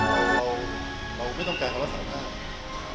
เราไม่ต้องการรักษาภาพ